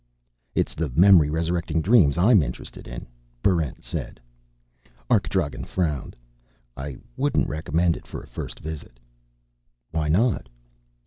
"It's the memory resurrecting dreams I'm interested in," Barrent said. Arkdragen frowned. "I wouldn't recommend it for a first visit." "Why not?"